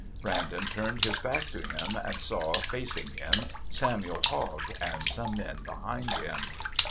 Brandon turned his back to him and saw, facing him, Samuel Hogg and some men behind him.